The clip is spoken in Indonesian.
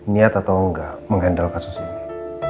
niat atau enggak menghandle kasus ini